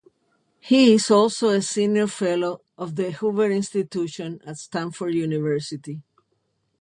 He is also a senior fellow of the Hoover Institution at Stanford University.